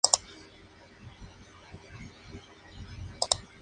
Gloria le sugiere que compre cosas a Bette e inspire envidia en Dot.